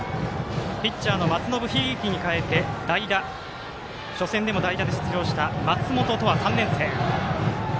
ピッチャーの松延響に代えて代打、初戦でも代打で出場した松本十和、３年生。